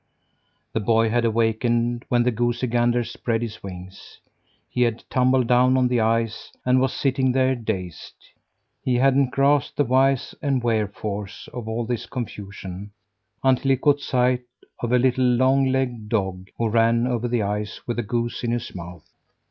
The boy had awakened when the goosey gander spread his wings. He had tumbled down on the ice and was sitting there, dazed. He hadn't grasped the whys and wherefores of all this confusion, until he caught sight of a little long legged dog who ran over the ice with a goose in his mouth.